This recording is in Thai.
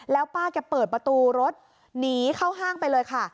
แล้วป้าแกเปิดประตูรถหนีเข้าห้างไปเลยค่ะ